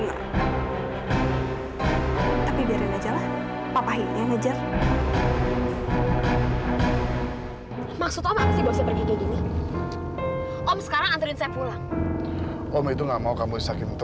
kamu gak aman di rumah ini